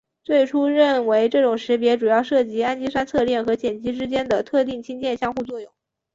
最初认为这种识别主要涉及氨基酸侧链和碱基之间的特定氢键相互作用。